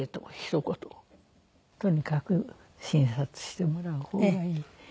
「とにかく診察してもらう方がいい」。